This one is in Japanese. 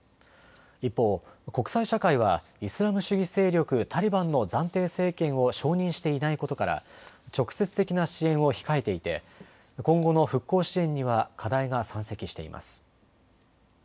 一方、国際社会はイスラム主義勢力タリバンの暫定政権を承認していないことから直接的な支援を控えていて今後の復興支援には課題が山積しています。